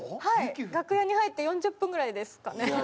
はい楽屋に入って４０分ぐらいですかね。